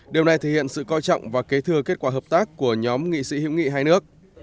điều này thể hiện sự coi trọng và kế thừa kết quả hợp tác của nhóm nghị sĩ hữu nghị hai nước